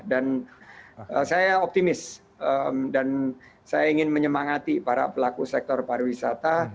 dan saya optimis dan saya ingin menyemangati para pelaku sektor pariwisata